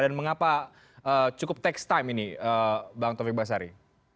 dan mengapa cukup takes time ini bang taufik basari